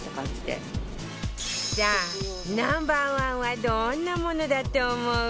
さあナンバーワンはどんなものだと思う？